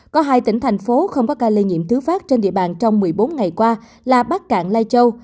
có hai tỉnh thành phố không có ca lây nhiễm thứ phát trên địa bàn trong một mươi bốn ngày qua là bắc cạn lai châu